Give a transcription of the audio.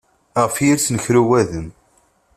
Ɣef yiles n kra n uwadem.